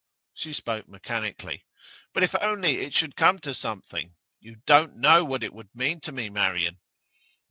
She spoke mechanically. 'But if only it should come to something! You don't know what it would mean to me, Marian.